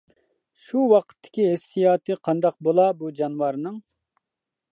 شۇ ۋاقىتتىكى ھېسسىياتى قاندا بولا بۇ جانىۋارنىڭ.